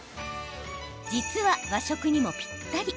実は和食にもぴったり。